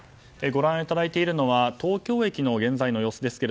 ご覧いただいているのは東京駅の現在の様子です。